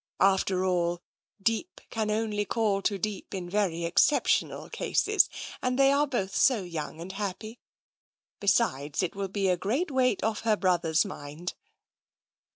After all, deep can only call to deep in very exceptional cases, and they are both so young and happy. Besides, it will be a great weight off her brother's mind."